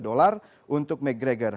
dolar untuk mcgregor